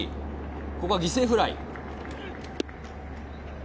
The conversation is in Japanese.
ここは犠牲フライ。